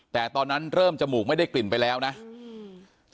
แต่ตอนนั้นเริ่มจมูกไม่ได้กลิ่นไปแล้วนะอืม